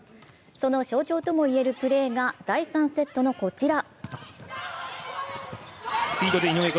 その象徴ともいえるプレーが第３セットのこちら。